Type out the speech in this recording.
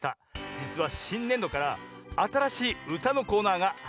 じつはしんねんどからあたらしいうたのコーナーがはじまるんですねぇ。